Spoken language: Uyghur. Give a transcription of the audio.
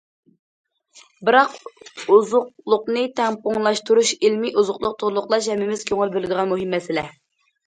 بىراق ئوزۇقلۇقنى تەڭپۇڭلاشتۇرۇش، ئىلمىي ئوزۇقلۇق تولۇقلاش ھەممىمىز كۆڭۈل بۆلىدىغان مۇھىم مەسىلە.